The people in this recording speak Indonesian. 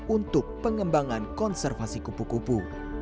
untuk pengembangan konservasi kupu kupu